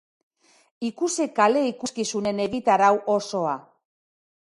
Ikusi kale ikuskizunen egitarau osoa.